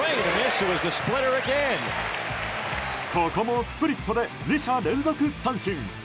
ここもスプリットで２者連続三振。